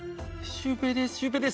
シュウペイでーす。」